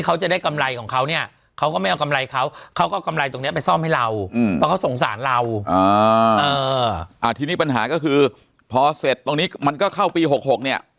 เขาก็กำไรตรงนี้ไปซ่อมให้เราเพราะเขาสงสารเราอ่าอ่าอ่าทีนี้ปัญหาก็คือพอเสร็จตรงนี้มันก็เข้าปีหกหกเนี่ย